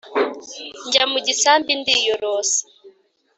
njya mu gisambi ndiyorosa